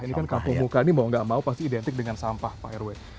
ini kan kampung muka ini mau gak mau pasti identik dengan sampah pak rw